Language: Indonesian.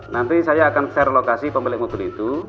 nanti saya akan share lokasi pemilik mobil itu